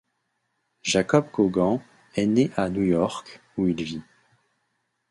Jacob Kogan est né à New York, où il vit.